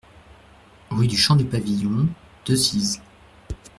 Rue du Champ du Pavillon, Decize